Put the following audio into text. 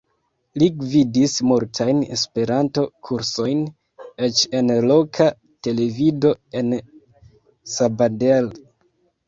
Li gvidis multajn Esperanto-kursojn, eĉ en loka televido en Sabadell.